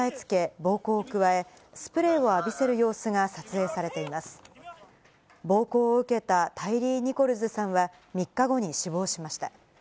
暴行を受けたタイリー・ニコルズさんは、３日後に死亡しました。